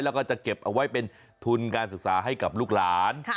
แล้วก็จะเก็บเอาไว้เป็นทุนการศึกษาให้กับลูกหลาน